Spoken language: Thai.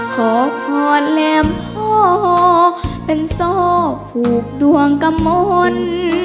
ขอพรแหลมพ่อเป็นโซ่ผูกดวงกำมล